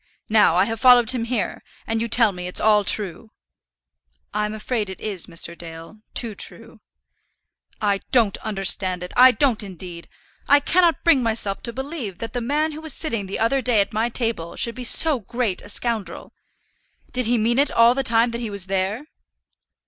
Now, I have followed him here; and you tell me it's all true." "I am afraid it is, Mr. Dale; too true." "I don't understand it; I don't, indeed. I cannot bring myself to believe that the man who was sitting the other day at my table should be so great a scoundrel. Did he mean it all the time that he was there?"